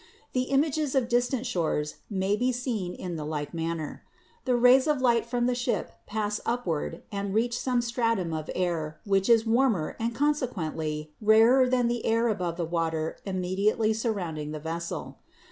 The images of distant shores may be seen in like manner. The rays of light from the ship pass upward and reach some stratum of air which is warmer and conse quently rarer than the air above the water immediately surrounding the vessel.